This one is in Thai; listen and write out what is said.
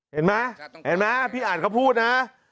เห็นไหมพี่อ่านเขาพูดนะ